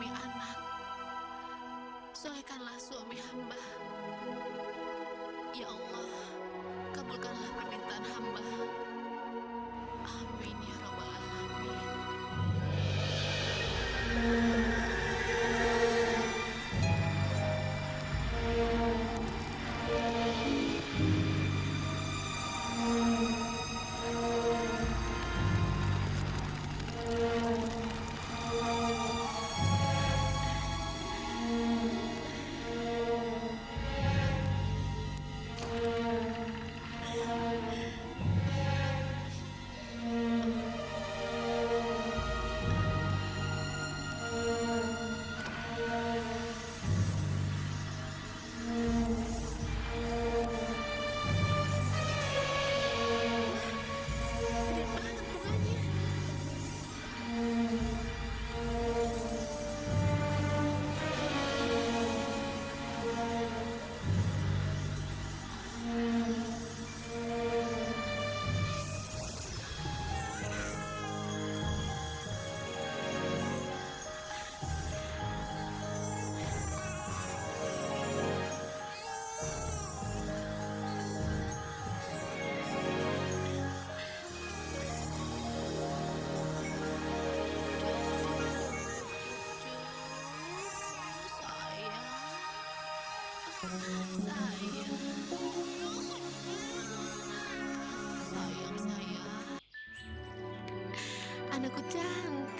nanti kalau kamu dapat kesempatan lagi bagi aku yuk